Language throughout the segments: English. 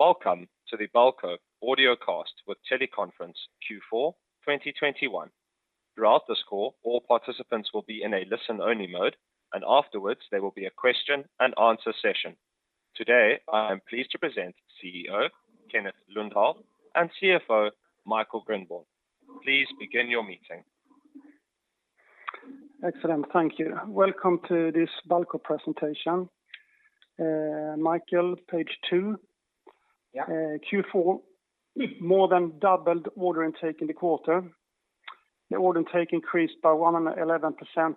Welcome to the Balco Audiocast with teleconference Q4 2021. Throughout this call, all participants will be in a listen only mode, and afterwards there will be a question and answer session. Today, I am pleased to present CEO Kenneth Lundahl and CFO Michael Grindborn. Please begin your meeting. Excellent. Thank you. Welcome to this Balco presentation. Michael, page two. Yeah. Q4 more than doubled order intake in the quarter. The order intake increased by 111%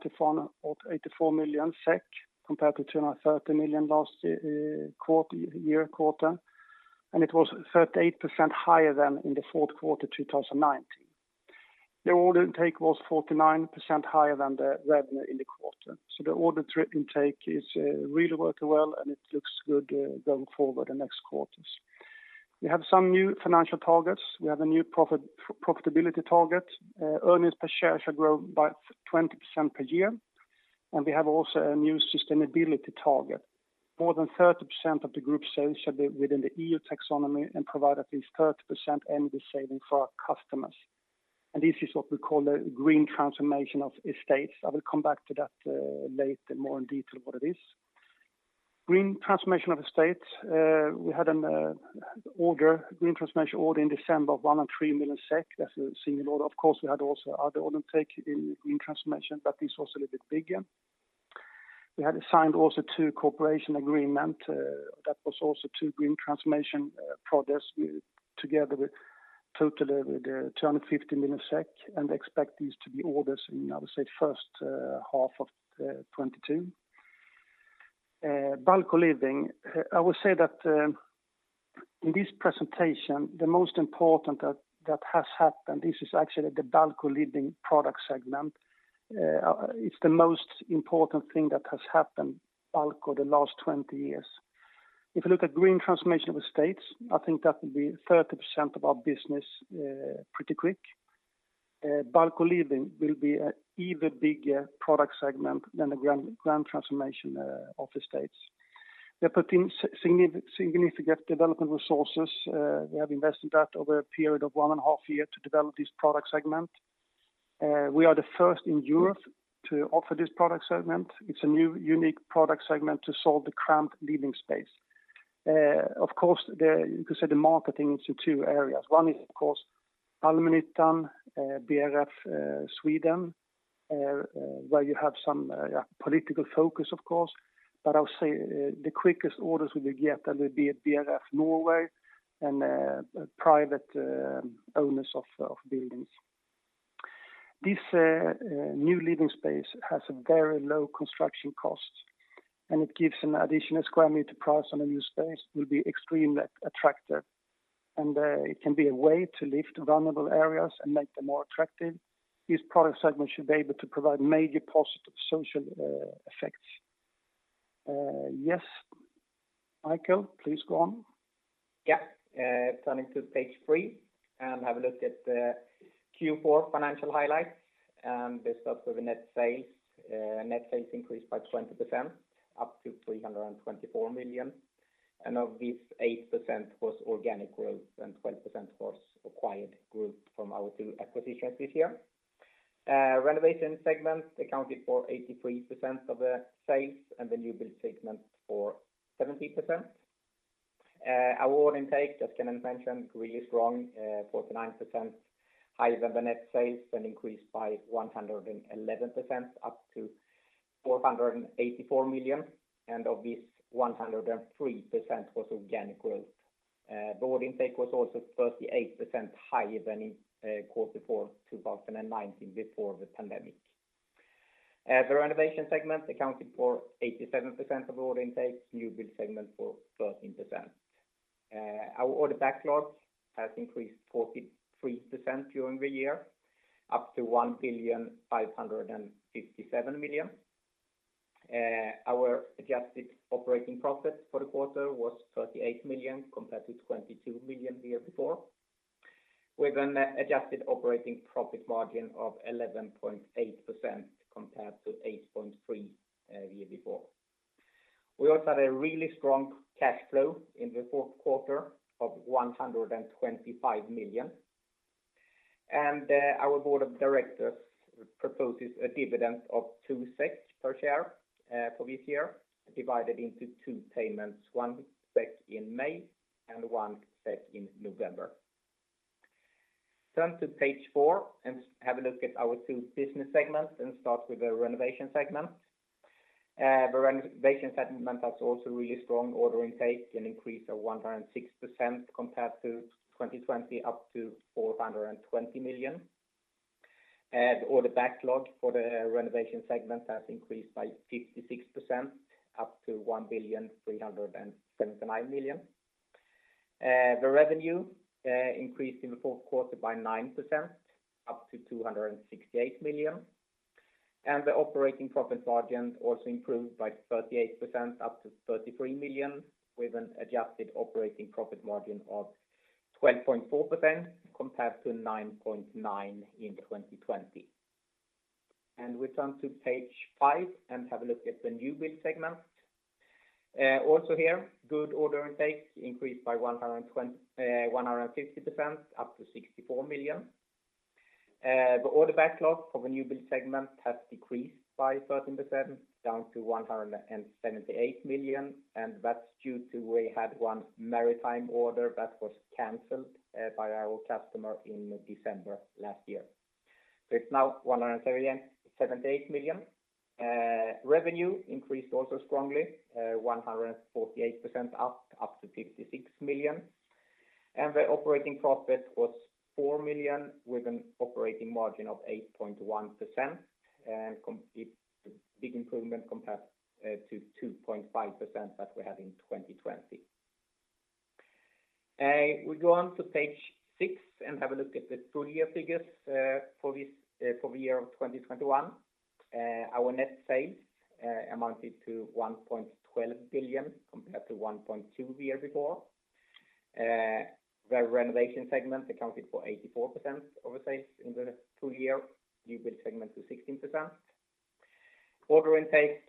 to 184 million SEK, compared to 230 million last year quarter, and it was 38% higher than in the fourth quarter of 2019. The order intake was 49% higher than the revenue in the quarter. The order intake is really working well, and it looks good going forward the next quarters. We have some new financial targets. We have a new profitability target. Earnings per share should grow by 20% per year. We have also a new sustainability target. More than 30% of the group sales should be within the EU taxonomy and provide at least 30% energy savings for our customers. This is what we call the green transformation of estates. I will come back to that later more in detail what it is. Green transformation of estates. We had an order, green transformation order in December of 1.3 million SEK. That's a single order. Of course, we had also other orders taken in green transformation, but this was a little bit bigger. We had signed also two cooperation agreements that were also two green transformation projects together with total of 250 million SEK, and expect these to be orders in, I would say, first half of 2022. Balco Living. I would say that in this presentation, the most important that has happened, this is actually the Balco Living product segment. It's the most important thing that has happened Balco the last 20 years. If you look at green transformation of estates, I think that will be 30% of our business pretty quick. Balco Living will be an even bigger product segment than the green transformation of estates. We are putting significant development resources. We have invested that over a period of one and a half years to develop this product segment. We are the first in Europe to offer this product segment. It's a new unique product segment to solve the cramped living space. Of course, you could say the marketing is to two areas. One is, of course, Allmännyttan, BRF, Sweden, where you have some political focus, of course. I would say the quickest orders we will get that will be from BRF Norway and private owners of buildings. This new living space has a very low construction cost, and it gives an additional square meter price on a new space. It will be extremely attractive, and it can be a way to lift vulnerable areas and make them more attractive. This product segment should be able to provide major positive social effects. Yes, Michael, please go on. Turning to page three and have a look at the Q4 financial highlights. They start with the net sales. Net sales increased by 20% up to 324 million. Of this, 8% was organic growth and 12% was acquired growth from our two acquisitions this year. Renovation segment accounted for 83% of the sales and the new build segment for 17%. Our order intake, as Kenneth mentioned, really strong, 49% higher than the net sales and increased by 111% up to 484 million. Of this, 103% was organic growth. The order intake was also 38% higher than in Q4 2019 before the pandemic. The renovation segment accounted for 87% of order intake, new build segment for 13%. Our order backlog has increased 43% during the year up to 1,557 million. Our adjusted operating profit for the quarter was 38 million, compared to 22 million the year before. We have an adjusted operating profit margin of 11.8% compared to 8.3% year before. We also had a really strong cash flow in the fourth quarter of 125 million. Our board of directors proposes a dividend of 2 per share for this year, divided into two payments, 1 SEK in May and 1 SEK in November. Turn to page four and have a look at our two business segments, and start with the Renovation segment. The renovation segment has also really strong order intake, an increase of 106% compared to 2020 up to 420 million. The order backlog for the renovation segment has increased by 56% up to 1,379 million. The revenue increased in the fourth quarter by 9% up to 268 million. The operating profit margin also improved by 38% up to 33 million, with an adjusted operating profit margin of 12.4% compared to 9.9% in 2020. We turn to page five and have a look at the newbuild segment. Also here, good order intake increased by 150% up to 64 million. The order backlog of a newbuild segment has decreased by 13% down to 178 million, and that's due to we had one maritime order that was canceled by our customer in December last year. Revenue increased also strongly 148% up to 56 million. The operating profit was 4 million with an operating margin of 8.1%. It's a big improvement compared to 2.5% that we had in 2020. We go on to page 6 and have a look at the full year figures for the year of 2021. Our net sales amounted to 1.12 billion compared to 1.2 billion the year before. The renovation segment accounted for 84% of the sales in the full year, newbuild segment to 16%. Order intake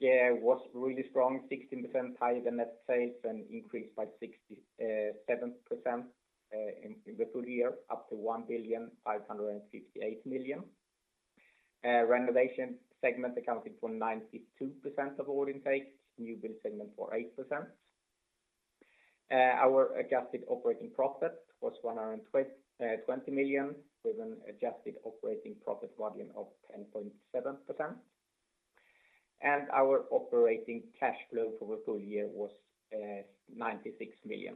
was really strong, 16% higher than net sales and increased by 67% in the full year, up to 1,558 million. Renovation segment accounted for 92% of order intake, newbuild segment for 8%. Our adjusted operating profit was 20 million, with an adjusted operating profit margin of 10.7%. Our operating cash flow for the full year was 96 million.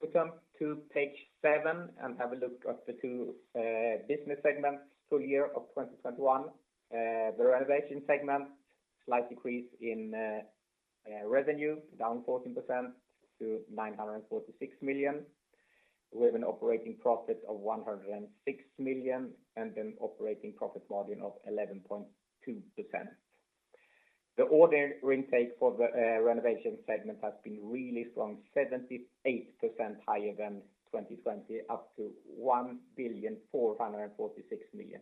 We turn to page seven and have a look at the two business segments full year of 2021. The renovation segment, slight decrease in revenue, down 14% to 946 million. We have an operating profit of 106 million and an operating profit margin of 11.2%. The order intake for the renovation segment has been really strong, 78% higher than 2020, up to 1,446 million.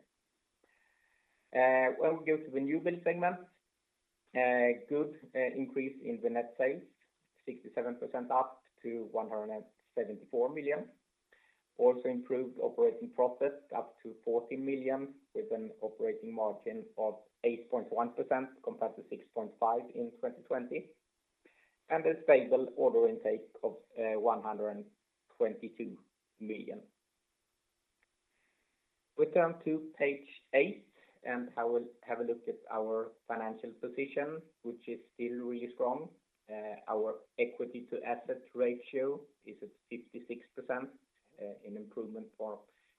When we go to the newbuild segment, a good increase in the net sales, 67% up to 174 million. Also improved operating profit up to 40 million with an operating margin of 8.1% compared to 6.5% in 2020, and a stable order intake of 122 million. We turn to page 8, and I will have a look at our financial position, which is still really strong. Our equity to asset ratio is at 56%, an improvement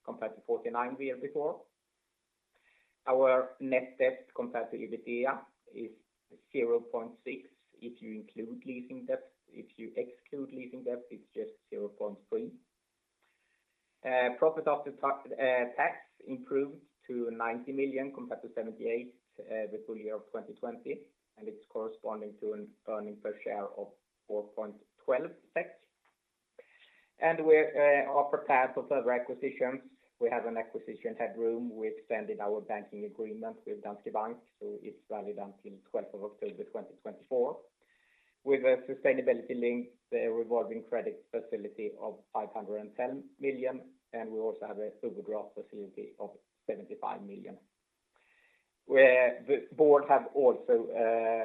compared to 49% the year before. Our net debt compared to EBITDA is 0.6 if you include leasing debt. If you exclude leasing debt, it's just 0.3. Profit after tax improved to 90 million compared to 78 million, the full year of 2020, and it's corresponding to an earnings per share of 4.12 SEK. We are prepared for further acquisitions. We have an acquisition headroom. We extended our banking agreement with Danske Bank, so it's valid until twelfth of October 2024. With a sustainability link, the revolving credit facility of 510 million, and we also have an overdraft facility of 75 million. Where the board have also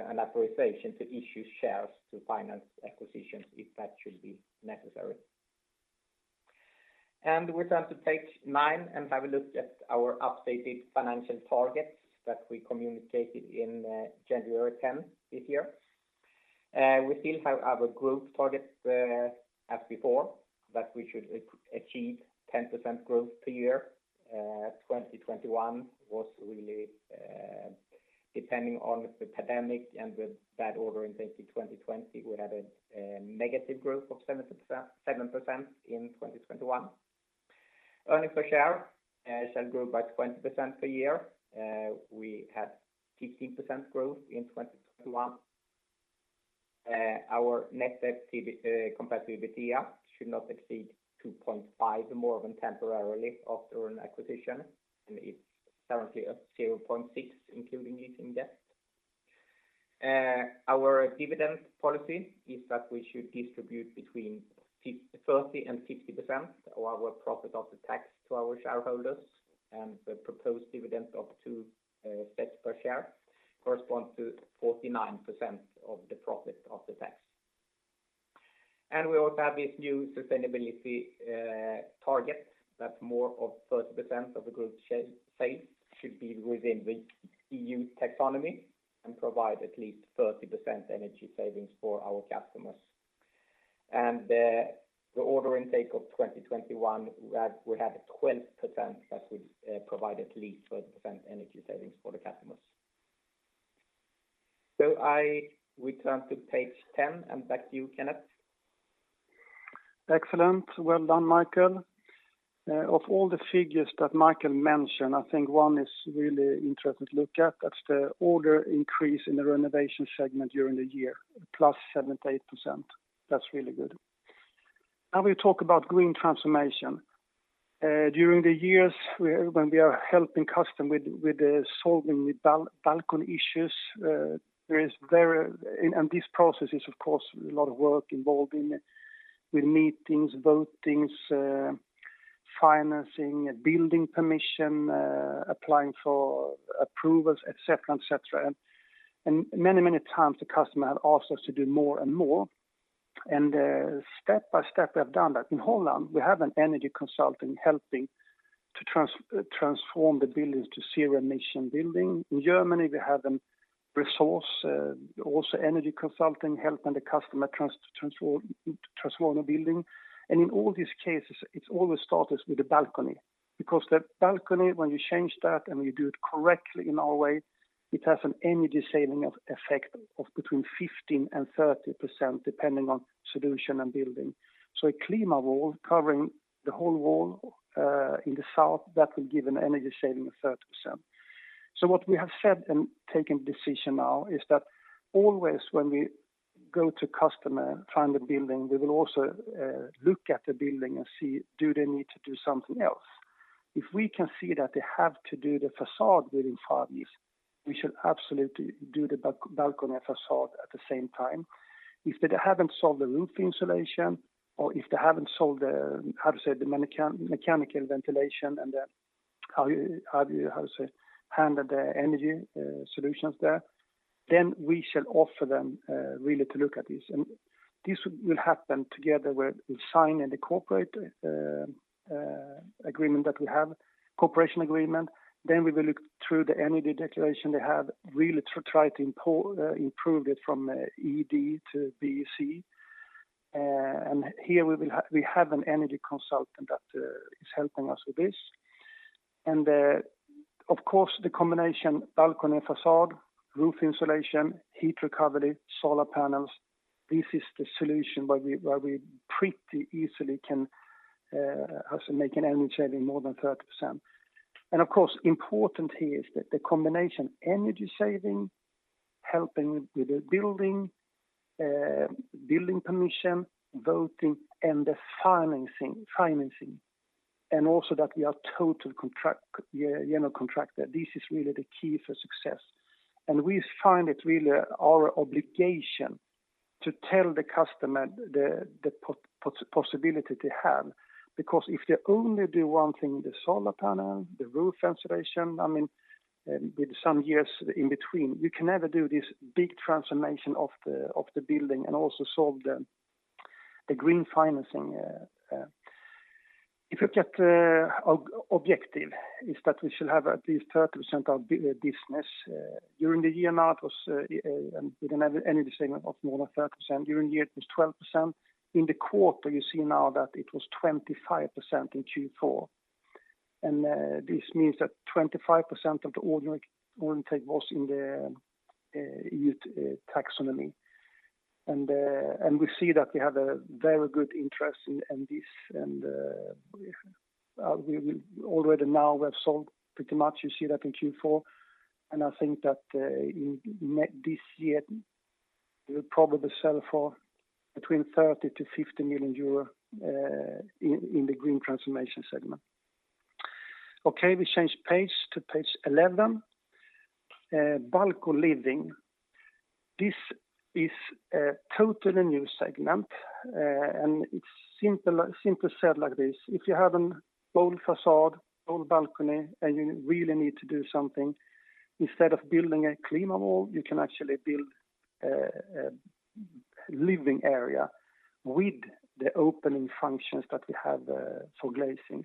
an authorization to issue shares to finance acquisitions if that should be necessary. We turn to page 9 and have a look at our updated financial targets that we communicated in January 10 this year. We still have our group target as before, that we should achieve 10% growth per year. 2021 was really, depending on the pandemic and the bad order intake in 2020, we had a negative growth of 7% in 2021. Earnings per share shall grow by 20% per year. We had 15% growth in 2021. Our net debt to EBITDA compared to EBITDA should not exceed 2.5 more than temporarily after an acquisition, and it's currently at 0.6, including leasing debt. Our dividend policy is that we should distribute between 30% and 50% of our profit after tax to our shareholders, and the proposed dividend of 2 SEK per share corresponds to 49% of the profit after tax. We also have this new sustainability target that more than 30% of the group sales should be within the EU taxonomy and provide at least 30% energy savings for our customers. The order intake of 2021, we had 12% that would provide at least 30% energy savings for the customers. I return to page 10, and back to you, Kenneth. Excellent. Well done, Michael. Of all the figures that Michael mentioned, I think one is really interesting to look at. That's the order increase in the renovation segment during the year, +78%. That's really good. Now we talk about Green Transformation. During the years we are when we are helping customer with solving the balcony issues, there is very and this process is of course a lot of work involved in with meetings, votings, financing, building permission, applying for approvals, et cetera, et cetera. Many times the customer have asked us to do more and more. Step by step we have done that. In Holland, we have an energy consultant helping to transform the buildings to zero emission building. In Germany, we have a resource also energy consultant helping the customer transform a building. In all these cases, it always starts with the balcony. Because the balcony, when you change that and you do it correctly in our way, it has an energy saving of effect of between 15% and 30% depending on solution and building. A clima wall covering the whole wall, in the south, that will give an energy saving of 30%. What we have said and taken decision now is that always when we go to customer, find a building, we will also look at the building and see do they need to do something else. If we can see that they have to do the facade within five years, we should absolutely do the balcony and facade at the same time. If they haven't solved the roof insulation or if they haven't solved the mechanical ventilation and how you handle the energy solutions there, then we shall offer them really to look at this. This will happen together where we sign the corporate cooperation agreement that we have. We will look through the energy declaration they have, really try to improve it from ED to BC. We have an energy consultant that is helping us with this. Of course, the combination balcony facade, roof insulation, heat recovery, solar panels, this is the solution where we pretty easily can make an energy saving more than 30%. Of course, important here is that the combination energy saving, helping with the building permission, voting and the financing. Also that we are general contractor. This is really the key for success. We find it really our obligation to tell the customer the possibility they have. Because if they only do one thing, the solar panel, the roof insulation, I mean, with some years in between, you can never do this big transformation of the building and also solve the green financing. If you look at, objective is that we should have at least 30% of business during the year, now it was with an energy segment of more than 30%. During the year it was 12%. In the quarter you see now that it was 25% in Q4. This means that 25% of the order intake was in the EU taxonomy. We see that we have a very good interest in this and we already now we have sold pretty much you see that in Q4. I think that in net this year we'll probably sell for between 30 million-50 million euro in the green transformation segment. Okay, we change page to page 11. Balco Living. This is a totally new segment and it's simple said like this. If you have an old facade, old balcony, and you really need to do something, instead of building a clima wall, you can actually build a living area with the opening functions that we have for glazings.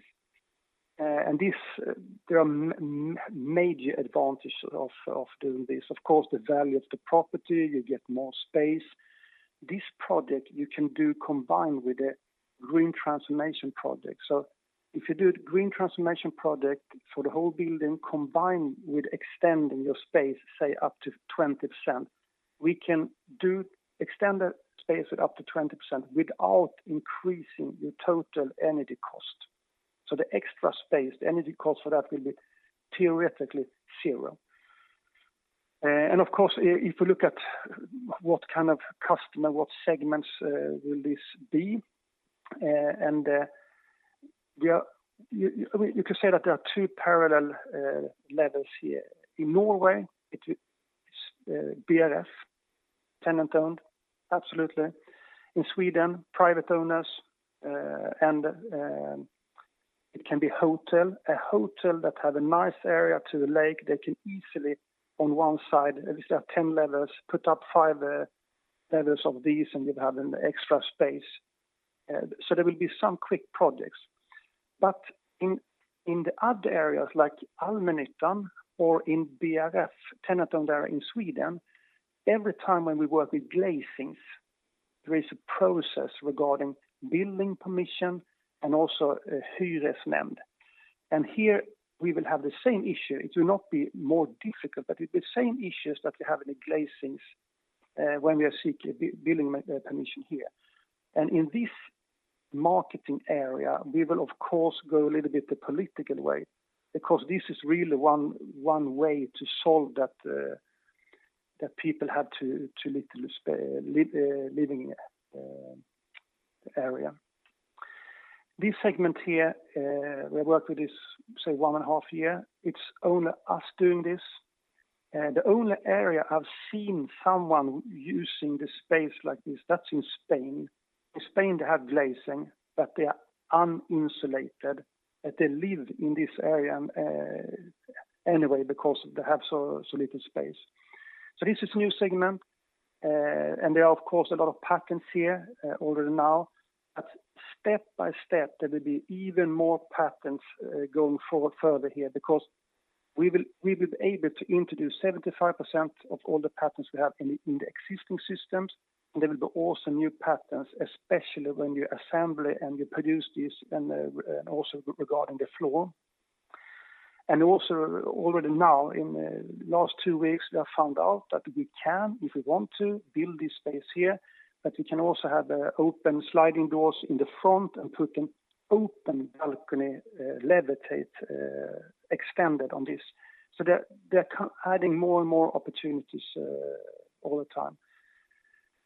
This, there are major advantages of doing this. Of course, the value of the property, you get more space. This project you can do combined with a Green Transformation project. If you do a Green Transformation project for the whole building combined with extending your space, say up to 20%, we can extend the space with up to 20% without increasing your total energy cost. The extra space, the energy cost for that will be theoretically zero. Of course, if you look at what kind of customer, what segments will this be, and, I mean, you could say that there are two parallel levels here. In Norway, it is BRF, tenant-owned, absolutely. In Sweden, private owners, and it can be hotel. A hotel that have a nice area to the lake, they can easily on one side, if they have 10 levels, put up five levels of these and you'd have an extra space. There will be some quick projects. In the other areas like Allmännyttan or in BRF, tenant-owned area in Sweden, every time when we work with glazings, there is a process regarding building permission and also Hyresnämnd. Here we will have the same issue. It will not be more difficult, but it's the same issues that we have in the glazings, when we are seeking building permission here. In this marketing area, we will of course go a little bit the political way because this is really one way to solve that people had too little living area. This segment here, we worked with this, say 1.5 years. It's only us doing this. The only area I've seen someone using the space like this, that's in Spain. In Spain, they have glazing, but they are uninsulated, but they live in this area anyway because they have so little space. This is new segment. There are, of course, a lot of patents here already now. Step by step, there will be even more patents going forward further here because we will be able to introduce 75% of all the patents we have in the existing systems. There will be also new patents, especially when you assemble and you produce this and also regarding the floor. Also already now in last two weeks, we have found out that we can, if we want to build this space here, that we can also have open sliding doors in the front and put an open balcony, Levitate expanded on this. So they're co-adding more and more opportunities all the time.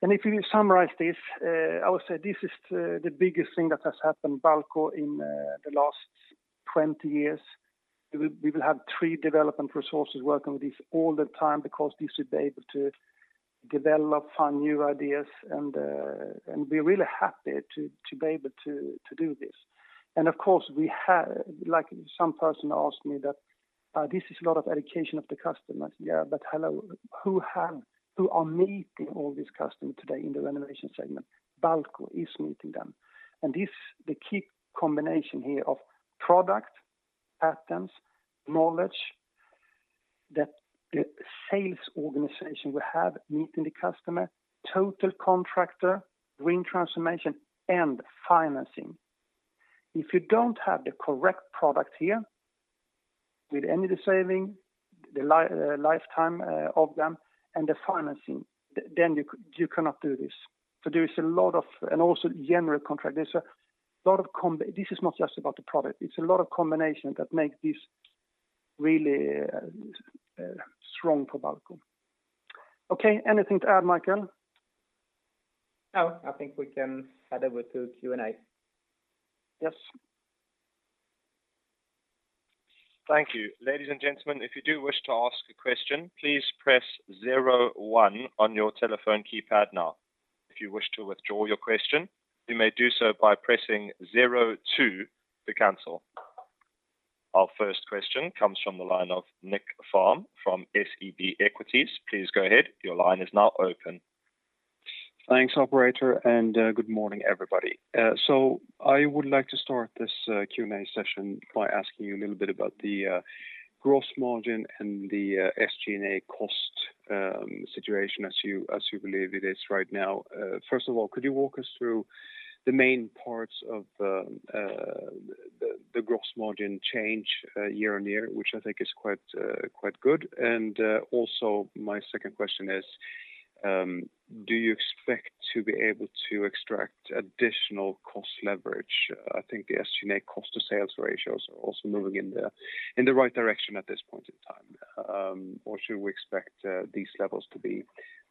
If you summarize this, I would say this is the biggest thing that has happened to Balco in the last 20 years. We will have three development resources working with this all the time because this will be able to develop, find new ideas and we're really happy to be able to do this. Of course, like some person asked me that this is a lot of education of the customer. I said, Yeah, but hello, who are meeting all these customers today in the renovation segment? Balco is meeting them. This, the key combination here of product, patents, knowledge that the sales organization will have meeting the customer, total contractor, green transformation and financing. If you don't have the correct product here with any of the savings, the lifetime of them and the financing, then you cannot do this. There is a lot of also general contractor. There's a lot of combination. This is not just about the product, it's a lot of combination that make this really strong for Balco. Okay. Anything to add, Michael? No, I think we can head over to Q&A. Yes. Thank you. Ladies and gentlemen, if you do wish to ask a question, please press zero one on your telephone keypad now. If you wish to withdraw your question, you may do so by pressing zero two to cancel. Our first question comes from the line of Nicklas Fhärm from SEB Equities. Please go ahead. Your line is now open. Thanks, operator, and good morning, everybody. So I would like to start this Q&A session by asking you a little bit about the gross margin and the SG&A cost situation as you believe it is right now. First of all, could you walk us through the main parts of the gross margin change year-over-year, which I think is quite good. Also my second question is, do you expect to be able to extract additional cost leverage? I think the SG&A cost to sales ratios are also moving in the right direction at this point in time. Or should we expect these levels to be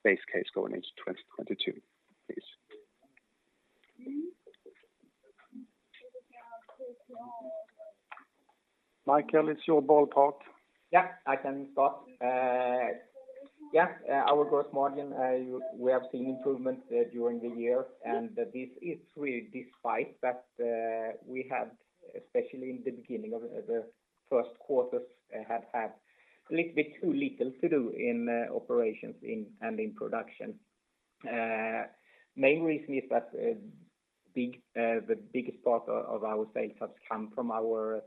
base case going into 2022, please? Michael, it's your ballpark. Yeah, I can start. Our gross margin, we have seen improvement during the year, and this is really despite that we had, especially in the beginning of the first quarters, have had a little bit too little to do in operations and production. Main reason is that the biggest part of our sales has come from our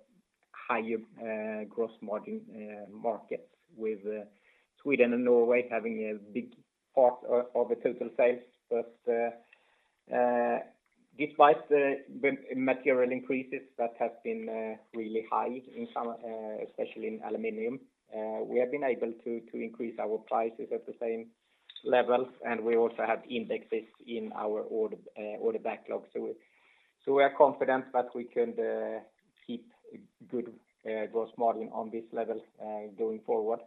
higher gross margin markets with Sweden and Norway having a big part of the total sales. Despite the material increases that have been really high in some, especially in aluminum, we have been able to increase our prices at the same levels, and we also have indexes in our order backlog. We are confident that we can keep good gross margin on this level going forward.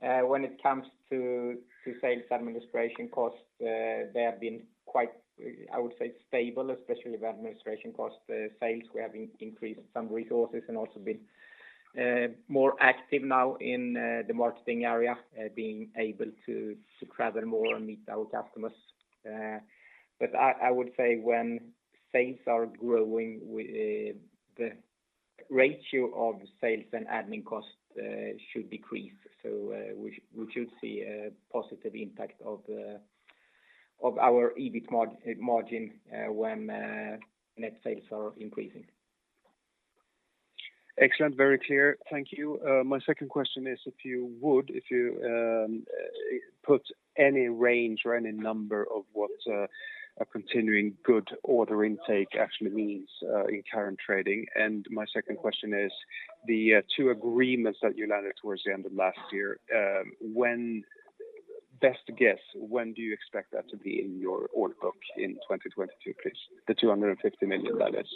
When it comes to sales administration costs, they have been quite, I would say stable, especially the administration cost. Sales, we have increased some resources and also been more active now in the marketing area, being able to travel more and meet our customers. But I would say when sales are growing, the ratio of sales and admin costs should decrease. We should see a positive impact of our EBIT margin when net sales are increasing. Excellent. Very clear. Thank you. My second question is, if you put any range or any number of what a continuing good order intake actually means in current trading. My second question is the two agreements that you landed towards the end of last year. Best guess, when do you expect that to be in your order book in 2022, please? The SEK 250 million, that is.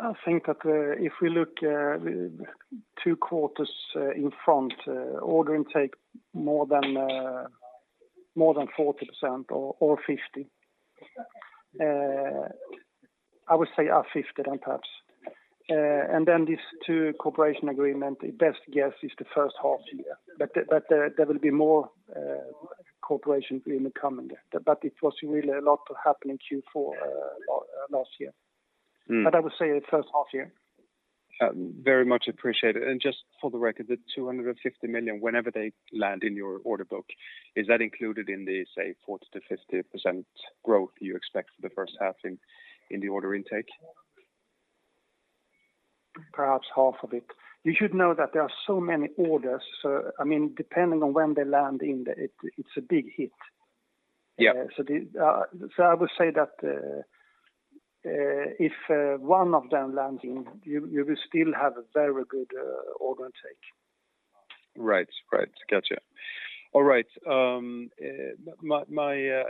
I think that if we look two quarters in front, order intake more than 40% or 50%. I would say 50% then perhaps. These two cooperation agreement, the best guess is the first half year. There will be more cooperation in the coming year. It was really a lot to happen in Q4 last year. Mm. I would say the first half year. Very much appreciated. Just for the record, the 250 million, whenever they land in your order book, is that included in the, say, 40%-50% growth you expect for the first half in the order intake? Perhaps half of it. You should know that there are so many orders. I mean, depending on when they land, it's a big hit. Yeah. I would say that if one of them lands in, you will still have a very good order intake. Right. Gotcha. All right. My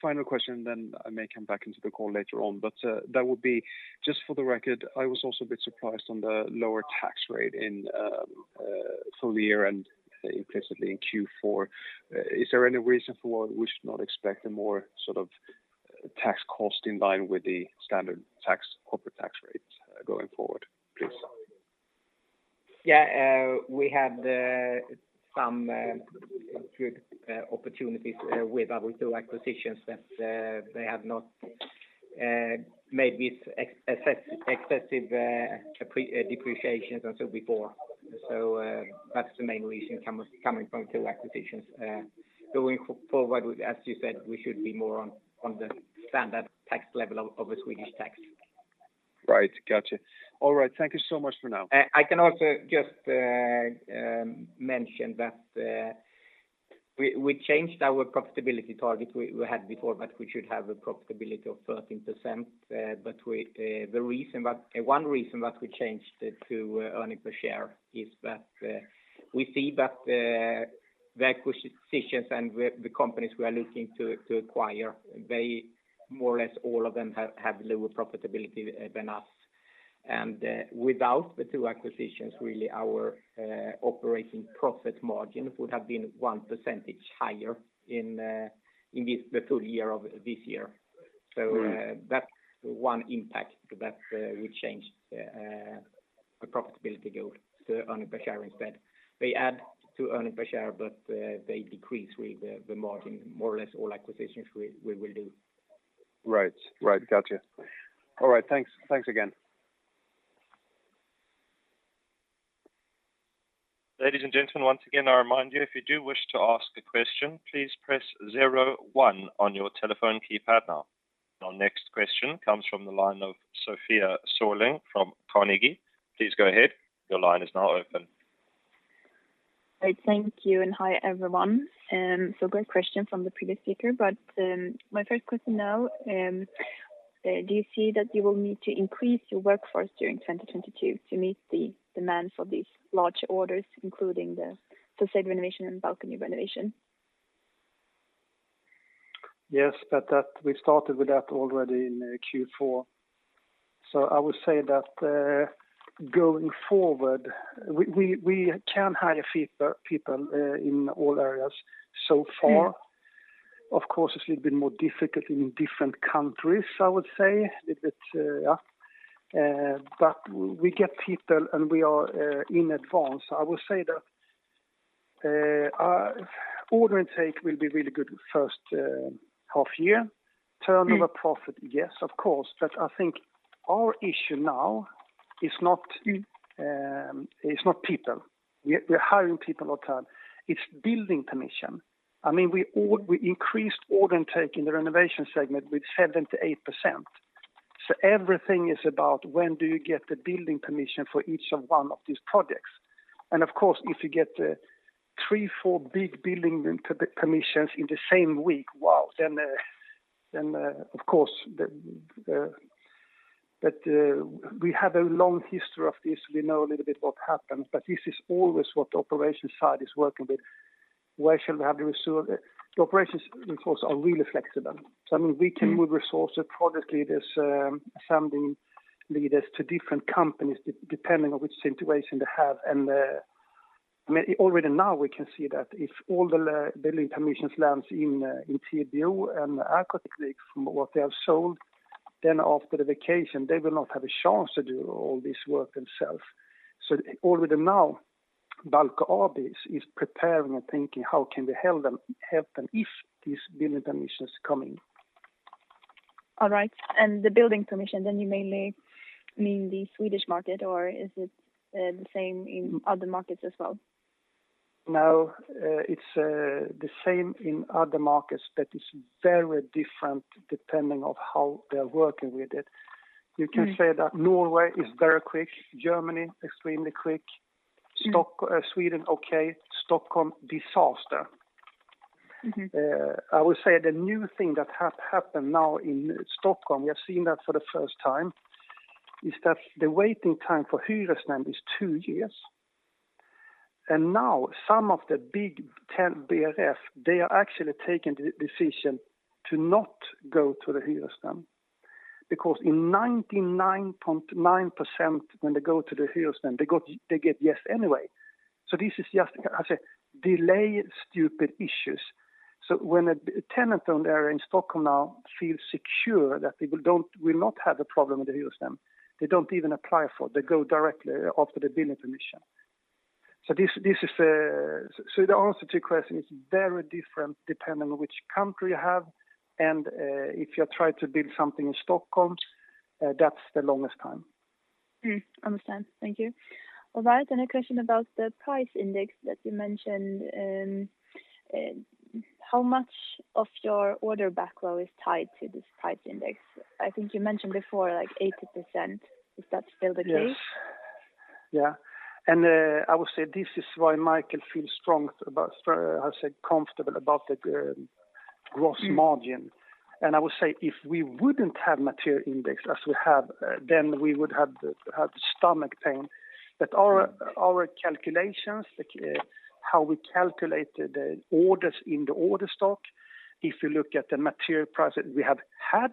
final question then I may come back into the call later on. That would be just for the record, I was also a bit surprised on the lower tax rate in full year and implicitly in Q4. Is there any reason for why we should not expect a more sort of tax cost in line with the standard tax, corporate tax rates going forward, please? We had some good opportunities with our two acquisitions that they have not made excessive depreciations until before. That's the main reason coming from two acquisitions. Going forward, as you said, we should be more on the standard tax level of a Swedish tax. Right. Gotcha. All right. Thank you so much for now. I can also just mention that we changed our profitability target we had before, that we should have a profitability of 13%. One reason that we changed it to earnings per share is that we see that the acquisitions and the companies we are looking to acquire, they more or less all have lower profitability than us. Without the two acquisitions, really our operating profit margin would have been 1 percentage higher in the full year this year. Mm. That's one impact that we changed the profitability goal to earnings per share instead. They add to earnings per share, but they decrease really the margin more or less all acquisitions we will do. Right. Gotcha. All right. Thanks. Thanks again. Ladies and gentlemen, once again, I remind you, if you do wish to ask a question, please press zero one on your telephone keypad now. Our next question comes from the line of Sofia Sörling from Carnegie. Please go ahead. Your line is now open. Right. Thank you and hi, everyone. Great question from the previous speaker. My first question now, do you see that you will need to increase your workforce during 2022 to meet the demand for these larger orders, including the façade renovation and balcony renovation? Yes, that we started with that already in Q4. I would say that, going forward, we can hire people in all areas so far. Mm. Of course, it's a little bit more difficult in different countries, I would say. A bit. But we get people, and we are in advance. I will say that order intake will be really good first half year. Mm. Turnover profit, yes, of course. I think our issue now is not people. We are hiring people all the time. It's building permission. I mean, we increased order intake in the renovation segment with 7%-8%. Everything is about when do you get the building permission for each one of these projects. Of course, if you get three-four big building permissions in the same week, then of course. We have a long history of this. We know a little bit what happens, but this is always what the operation side is working with. Where shall we have the resource? The operations, of course, are really flexible. Mm. I mean, we can move resources, project leaders, assembly leaders to different companies depending on which situation they have. I mean, already now we can see that if all the building permissions lands in TBO-Haglinds and RK Teknik from what they have sold, then after the vacation, they will not have a chance to do all this work themselves. Already now, Balco AB is preparing and thinking how can we help them if these building permissions coming. All right. The building permission, then you mainly mean the Swedish market, or is it, the same in other markets as well? No, it's the same in other markets, but it's very different depending on how they are working with it. Mm. You can say that Norway is very quick. Germany, extremely quick. Mm. Sweden, okay. Stockholm, disaster. Mm-hmm. I would say the new thing that has happened now in Stockholm, we have seen that for the first time, is that the waiting time for Hyresnämnd is two years. Now some of the big ten BRFs, they are actually taking the decision to not go to the Hyresnämnd because in 99.9% when they go to the Hyresnämnd, they go, they get yes anyway. This is just a delay stupid issues. When a tenant owner in Stockholm now feels secure that people won't have a problem with the Hyresnämnd, they don't even apply for, they go directly after the building permission. This is the answer to your question is very different depending on which country you have. If you try to build something in Stockholm, that's the longest time. I understand. Thank you. All right, and a question about the price index that you mentioned. How much of your order backlog is tied to this price index? I think you mentioned before, like 80%. Is that still the case? Yes. Yeah. I would say this is why Michael feels strong about, how to say, comfortable about the gross margin. Mm. I would say if we wouldn't have material index as we have, then we would have stomach pain. But our calculations, like, how we calculate the orders in the order stock, if you look at the material prices we have had,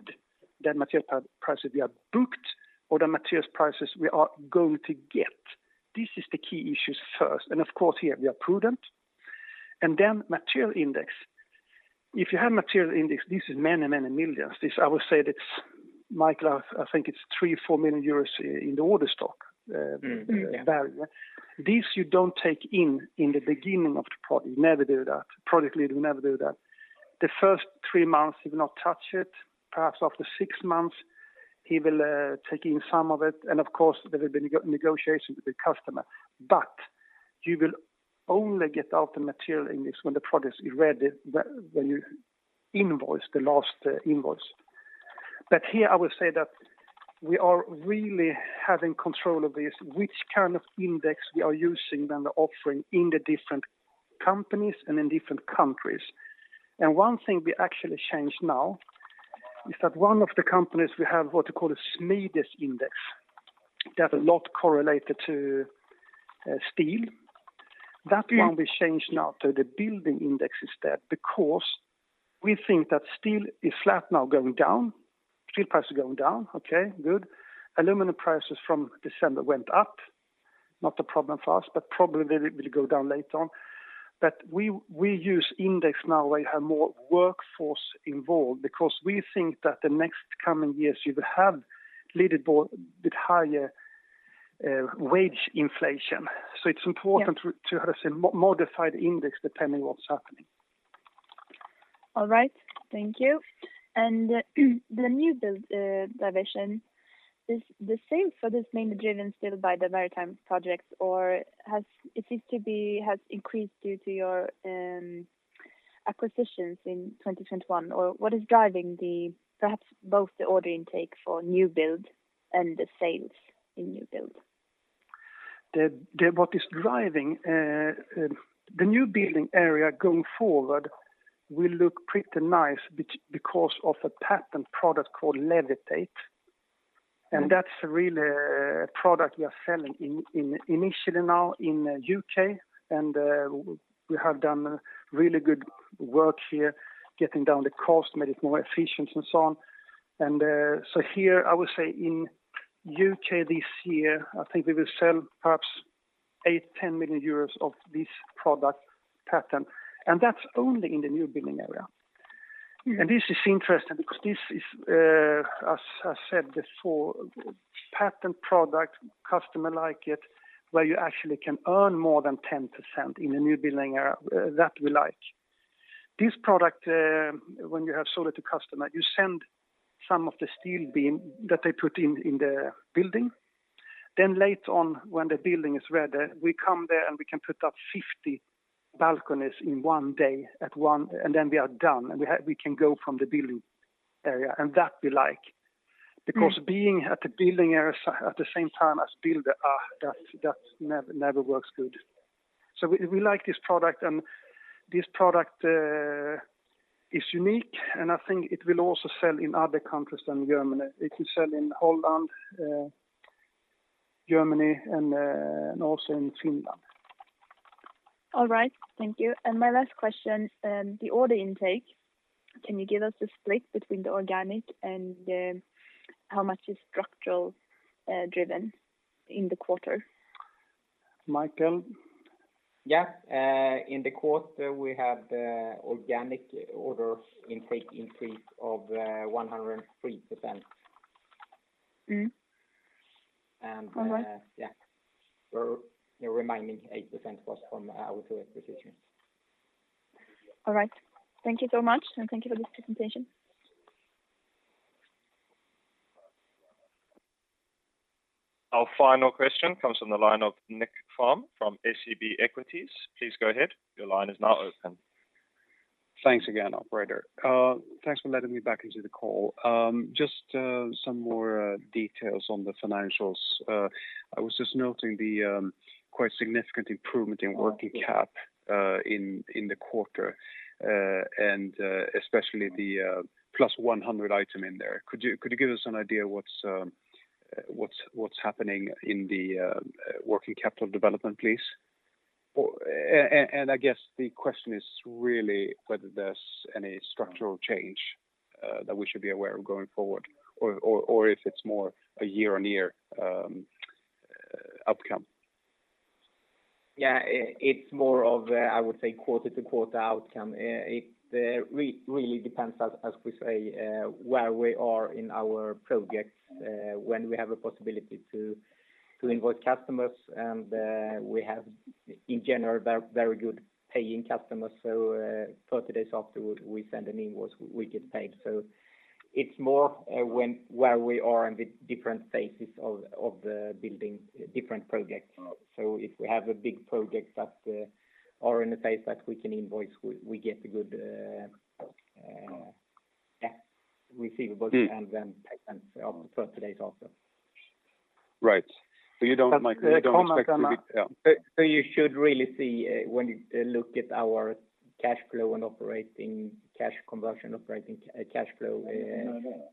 the material prices we have booked or the materials prices we are going to get, this is the key issues first. Of course, here we are prudent. Then material index. If you have material index, this is many, many millions. This I would say that's, Michael, I think it's 3-4 million euros in the order stock. Mm-hmm. Yeah. This you don't take in in the beginning of the product. You never do that. Project lead will never do that. The first three months he will not touch it. Perhaps after six months, he will take in some of it. Of course, there will be negotiations with the customer. You will only get out the material index when the product is ready, when you invoice the last invoice. Here I will say that we are really having control of this, which kind of index we are using and offering in the different companies and in different countries. One thing we actually changed now is that one of the companies we have what you call a smidest index that a lot correlated to steel. Mm. That one we changed now to the building index instead because we think that steel is flat now going down. Steel price is going down. Okay, good. Aluminum prices from December went up. Not a problem for us, but probably they will go down later on. We use index now where you have more workforce involved because we think that the next coming years you will have little more, bit higher, wage inflation. Yeah. It's important to modify the index depending what's happening. All right. Thank you. The new build division, is the sales for this mainly driven still by the maritime projects, or it seems to have increased due to your acquisitions in 2021, or what is perhaps driving both the order intake for new build and the sales in new build? What is driving the new building area going forward will look pretty nice because of a patented product called Levitate. Mm. That's really a product we are selling initially now in U.K. We have done really good work here getting the cost down, made it more efficient and so on. Here I would say in U.K. this year, I think we will sell perhaps 8 million-10 million euros of this product patent, and that's only in the new building area. Mm. This is interesting because this is, as I said before, patented product, customer like it, where you actually can earn more than 10% in the new building area. That we like. This product, when you have sold it to customer, you send some of the steel beam that they put in the building. Then later on when the building is ready, we come there and we can put up 50 balconies in one day at one, and then we are done, and we can go from the building area. That we like. Mm. Because being at the building areas at the same time as building, that never works good. We like this product, and this product is unique, and I think it will also sell in other countries than Germany. It will sell in Holland, Germany, and also in Finland. All right. Thank you. My last question, the order intake, can you give us a split between the organic and, how much is structural, driven in the quarter? Michael? Yeah, in the quarter we had organic order intake increase of 103%. Mm. And, uh- All right. Yeah. The remaining 8% was from our two acquisitions. All right. Thank you so much, and thank you for this presentation. Our final question comes from the line of Nicklas Fhärm from SEB Equities. Please go ahead. Your line is now open. Thanks again, operator. Thanks for letting me back into the call. Just some more details on the financials. I was just noting the quite significant improvement in working cap in the quarter, and especially the +100 item in there. Could you give us an idea what's happening in the working capital development, please? Or, I guess the question is really whether there's any structural change that we should be aware of going forward or if it's more a year-on-year outcome. It's more of a, I would say, quarter-to-quarter outcome. It really depends as we say where we are in our projects when we have a possibility to invoice customers. We have in general very good paying customers. Thirty days after we send an invoice, we get paid. It's more when where we are in the different phases of the building different projects. If we have a big project that are in a phase that we can invoice, we get a good receivable. Mm. Payment after 30 days. Right. You don't mind. You should really see when you look at our cash flow and operating cash conversion, operating cash flow,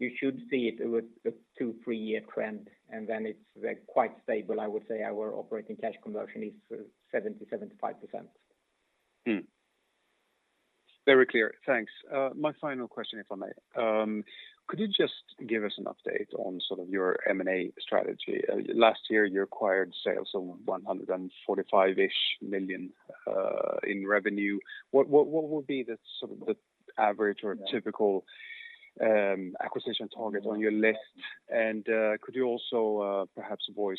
you should see it with a 2-3-year trend, and then it's quite stable. I would say our operating cash conversion is 70%-75%. Very clear. Thanks. My final question, if I may. Could you just give us an update on sort of your M&A strategy? Last year you acquired sales of 145-ish million in revenue. What would be the sort of the average or typical acquisition target on your list? And could you also perhaps voice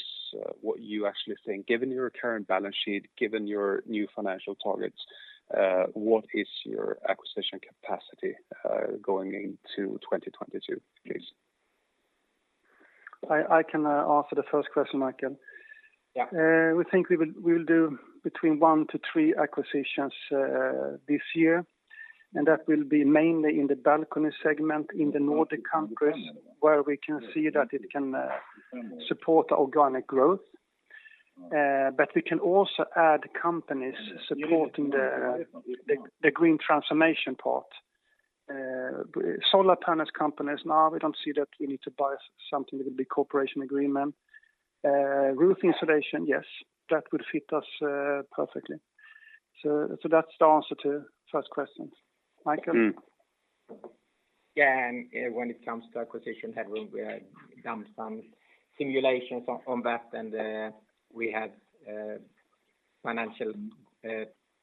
what you actually think, given your current balance sheet, given your new financial targets, what is your acquisition capacity going into 2022, please? I can answer the first question, Michael. Yeah. We think we will do between 1 to 3 acquisitions this year, and that will be mainly in the balcony segment in the Nordic countries where we can see that it can support organic growth. We can also add companies supporting the green transformation part. Solar panels companies, now we don't see that we need to buy something with the cooperation agreement. Roof insulation, yes, that would fit us perfectly. That's the answer to first questions. Michael? Mm. Yeah. When it comes to acquisition headroom, we have done some simulations on that, and we have financial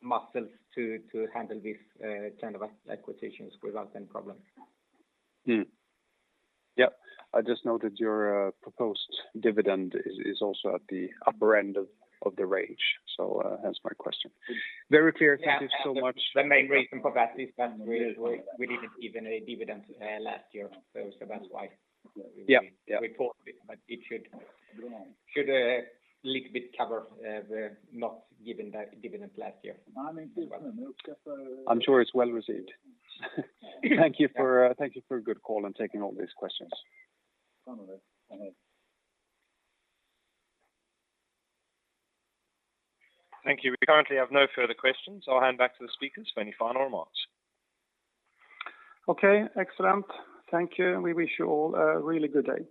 muscles to handle this kind of acquisitions without any problems. Yep. I just noted your proposed dividend is also at the upper end of the range. Hence my question. Very clear. Thank you so much. The main reason for that is that we didn't give any dividend last year. So that's why. Yeah. Yeah We thought it should little bit cover the not giving the dividend last year. I'm sure it's well received. Thank you for a good call and taking all these questions. Thank you. We currently have no further questions. I'll hand back to the speakers for any final remarks. Okay, excellent. Thank you. We wish you all a really good day.